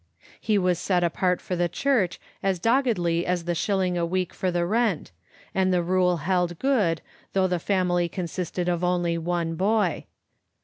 He was set apart for the Church as doggedly as the shilling a week for the rent, and the rule held good though the family consisted of only one boy.